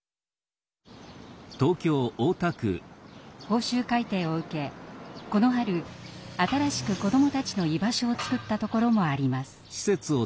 報酬改定を受けこの春新しく子どもたちの居場所を作ったところもあります。